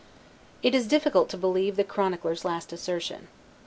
It is difficult to believe the chronicler's last assertion.